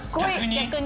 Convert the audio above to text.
逆に？